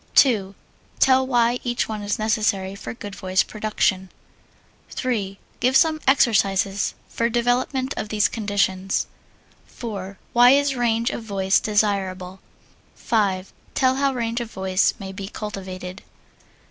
2. Tell why each one is necessary for good voice production. 3. Give some exercises for development of these conditions. 4. Why is range of voice desirable? 5. Tell how range of voice may be cultivated.